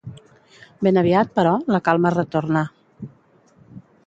Ben aviat, però, la calma retorna.